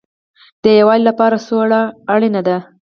د یووالي لپاره سوله اړین ده